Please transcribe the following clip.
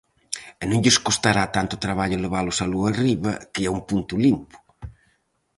Non lles custará tanto traballo levalos aló arriba que a un punto limpo?